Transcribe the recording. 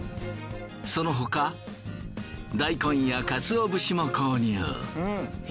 そのほか大根やカツオ節も購入。